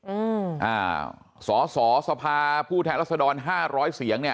อืมอ่าสอสอสภาผู้แทนรัศดรห้าร้อยเสียงเนี้ย